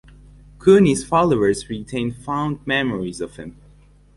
Cooney's followers retain fond memories of him.